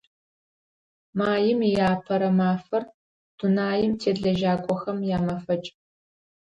Маим и Апэрэ мафэр – дунаим тет лэжьакӀохэм ямэфэкӀ.